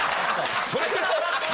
それぐらい。